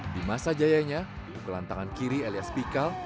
di masa jayanya kelantangan kiri elias pikal